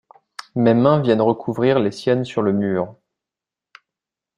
Mes mains viennent recouvrir les siennes sur le mur.